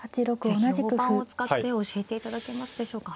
是非大盤を使って教えていただけますでしょうか。